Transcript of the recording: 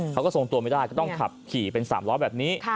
เขาก็ทรงตัวไม่ได้ก็ต้องขับขี่เป็น๓ล้อแบบนี้